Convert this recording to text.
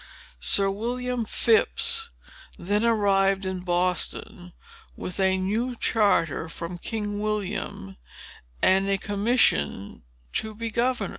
Sir William Phips then arrived in Boston, with a new charter from King William, and a commission to be governor."